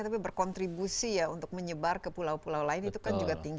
tapi berkontribusi ya untuk menyebar ke pulau pulau lain itu kan juga tinggi